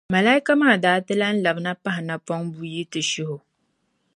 malaika maa daa ti lan labina pahi napɔŋ buyi nti shihi o.